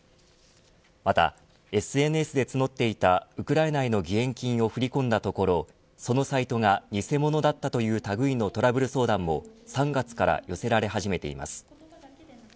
またＳＮＳで募っていたウクライナへの義援金を振り込んだところそのサイトが偽物だったという類のトラブル相談も３月から寄せられ始めています。